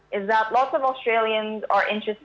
banyak orang australia yang berminat dengan